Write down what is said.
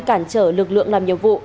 cảnh trở lực lượng làm nhiệm vụ